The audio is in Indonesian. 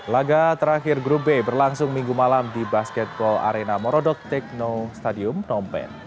laga terakhir grup b berlangsung minggu malam di basketball arena morodok techno stadium phnom penh